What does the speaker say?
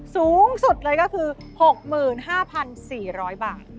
สูงสุดเลยก็คือ๖๕๔๐๐บาท